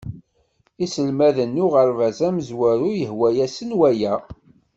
Iselmaden n uɣerbaz amezwaru yehwa-asen waya